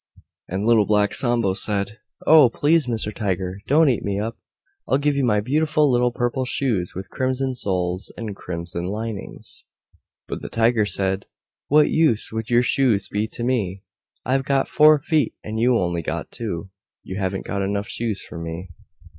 And Little Black Sambo said, "Oh! Please Mr. Tiger, don't eat me up, and I'll give you my beautiful little Purple Shoes with Crimson Soles and Crimson Linings." But the Tiger said, "What use would your shoes be to me? I've got four feet, and you've got only two; you haven't got enough shoes for me."